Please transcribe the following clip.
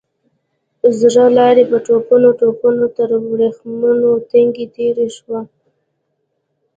زړه لارۍ په ټوپونو ټوپونو تر ورېښمين تنګي تېره شوه.